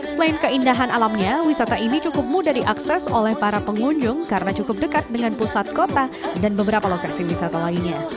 selain keindahan alamnya wisata ini cukup mudah diakses oleh para pengunjung karena cukup dekat dengan pusat kota dan beberapa lokasi wisata lainnya